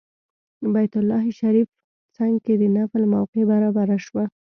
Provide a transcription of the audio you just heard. بیت الله شریف څنګ کې د نفل موقع برابره شوه.